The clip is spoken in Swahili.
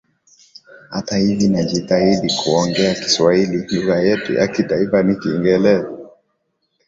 hata hivi najitahidi kuongea kiswahili lugha yetu ya kitaifa ni kiingereza